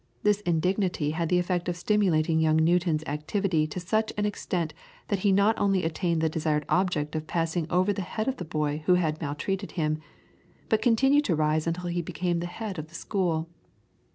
This indignity had the effect of stimulating young Newton's activity to such an extent that he not only attained the desired object of passing over the head of the boy who had maltreated him, but continued to rise until he became the head of the school.